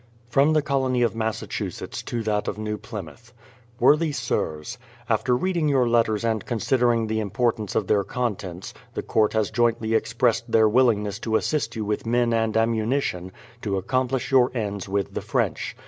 From the Colony of Massachusetts to that of New Plymouth: Worthy Sirs, After reading your letters and considering the importance of their contents, the court has jointly expressed their willingness to assist you with men and ammunition, to accomplish your ends with the French.